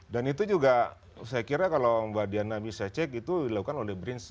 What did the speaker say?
dan itu juga saya kira kalau mbak diana bisa cek itu dilakukan oleh brinz